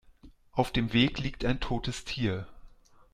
Auf dem Weg liegt ein totes Tier.